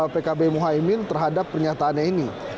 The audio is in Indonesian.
pkb muhaymin terhadap pernyataannya ini